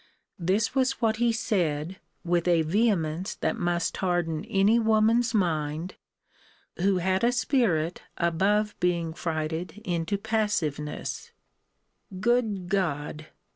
This was what he said, with a vehemence that must harden any woman's mind, who had a spirit above being frighted into passiveness Good God!